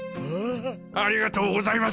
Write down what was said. ありがとうございます！